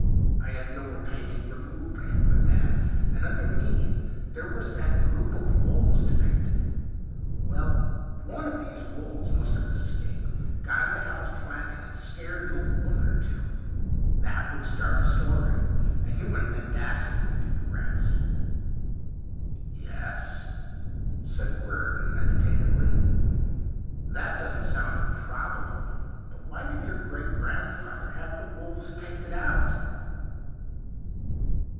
I had the over painting re moved by a good man, and under 148 THE UNDYING THING neath there was that group of wolves depicted. Well, one of these wolves must have escaped, got into Hal's Planting, and scared an old woman or two ; that would start a story, and human mendacity would do the rest.' ' Yes/ said Guei'don meditatively, ' that doesn't sound improbable. But why did your great grandfather have the wolves painted out